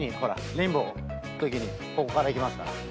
レインボーのときにここから行きますから。